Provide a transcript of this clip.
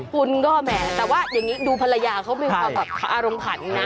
คุณก็แหมแต่ว่าอย่างนี้ดูภรรยาเขามีความแบบอารมณ์ขันนะ